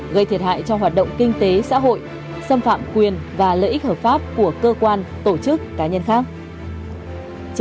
gây thiệt hại cho hoạt động kinh tế xã hội xâm phạm quyền và lợi ích hợp pháp của cơ quan tổ chức cá nhân khác